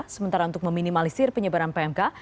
sementara untuk meminimalisir penyebaran pmk